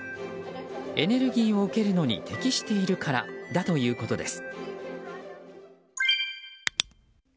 エネルギーを受けるのに適しているからだということです。